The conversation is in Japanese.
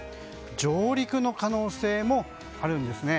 上陸の可能性もあるんですね。